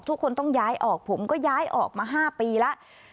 ทุกคนต้องย้ายออกผมก็ย้ายออกมา๕ปีแล้ว